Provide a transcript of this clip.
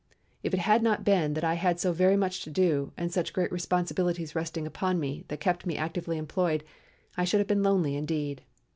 If it had not been that I had so very much to do and such great responsibilities resting upon me that kept me actively employed, I should have been lonely, indeed.